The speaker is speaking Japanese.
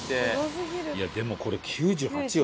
いやでもこれ９８よ